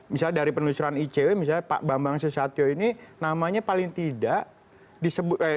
misalnya dari penelusuran icw misalnya pak bambang susatyo ini namanya paling tidak disebut